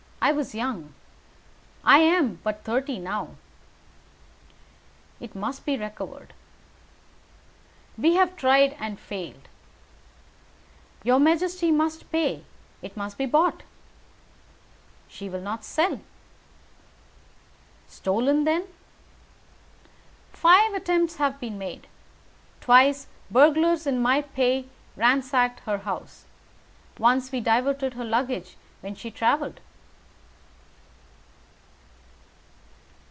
I was young. I am but thirty now." "It must be recovered." "We have tried and failed." "Your majesty must pay. It must be bought." "She will not sell." "Stolen, then." "Five attempts have been made. Twice burglars in my pay ransacked her house. Once we diverted her luggage when she travelled.